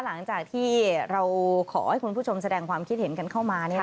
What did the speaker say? หลังจากที่เราขอให้คุณผู้ชมแสดงความคิดเห็นกันเข้ามา